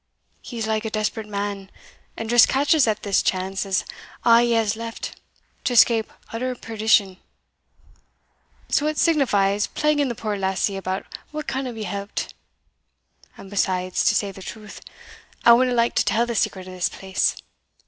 He's like a desperate man, and just catches at this chance as a' he has left, to escape utter perdition; so what signifies plaguing the puir lassie about what canna be helped? And besides, to say the truth, I wadna like to tell the secret o' this place.